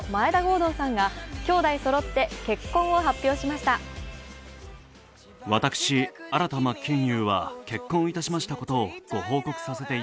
敦さんが兄弟そろって結婚を発表しました。